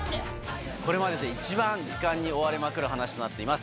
これまでで一番時間に追われまくる話となっています